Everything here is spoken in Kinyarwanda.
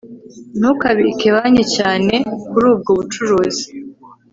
Ntukabike banki cyane kuri ubwo bucuruzi